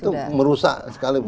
itu merusak sekali